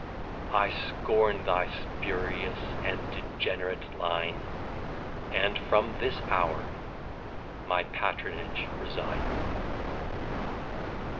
I scorn thy spurious and degenerate line, And from this hour my patronage resign.